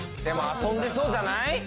でも遊んでそうじゃない？